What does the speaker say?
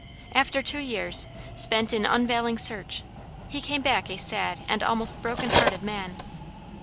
After two years, spent in unavailing search, he came back a sad and almost broken hearted man.